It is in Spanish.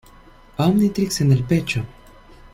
Omnitrix: En el pecho.